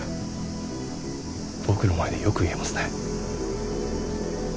僕の前でよく言えますね。